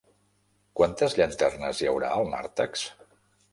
Quantes llanternes hi haurà al nàrtex?